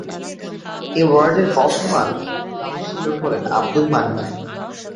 এ ওয়ার্ডের বর্তমান কাউন্সিলর হলেন আব্দুল মান্নান।